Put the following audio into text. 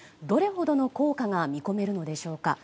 どれほどの効果が見込めるのでしょうか。